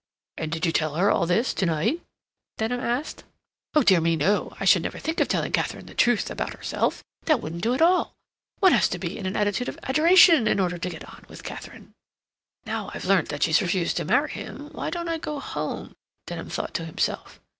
"And did you tell her all this to night?" Denham asked. "Oh dear me, no. I should never think of telling Katharine the truth about herself. That wouldn't do at all. One has to be in an attitude of adoration in order to get on with Katharine. "Now I've learnt that she's refused to marry him why don't I go home?" Denham thought to himself.